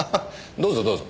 どうぞどうぞ。